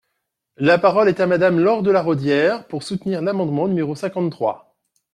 La parole est à Madame Laure de La Raudière, pour soutenir l’amendement numéro cinquante-trois.